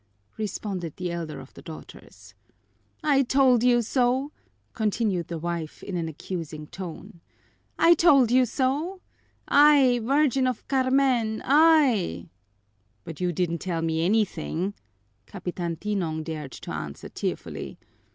responded the elder of the daughters. "I told you so!" continued the wife in an accusing tone. "I told you so! Ay, Virgin of Carmen, ay!" "But you didn't tell me anything," Capitan Tinong dared to answer tearfully.